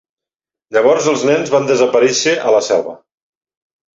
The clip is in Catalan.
Llavors, els nens van desaparèixer a la selva.